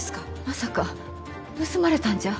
まさか盗まれたんじゃ。